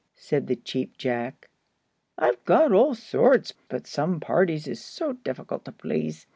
said the Cheap Jack. "I've got all sorts, but some parties is so difficult to please.